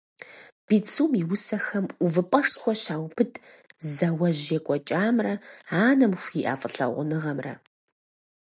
Бицум и усэхэм увыпӀэшхуэ щаубыд зауэжь екӀуэкӀамрэ анэм хуиӀэ фӀылъагъуныгъэмрэ.